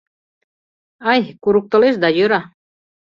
— Ай, курыктылеш да йора.